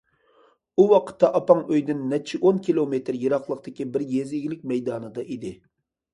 ئۇ ۋاقىتتا ئاپاڭ ئۆيدىن نەچچە ئون كىلومېتىر يىراقلىقتىكى بىر يېزا ئىگىلىك مەيدانىدا ئىدى.